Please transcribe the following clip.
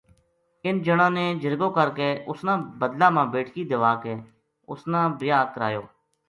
اِنھ جنا نے جرگو کر کے اس کا بدلہ ما بیٹکی دیوا کے اُس نا بیاہ کرایو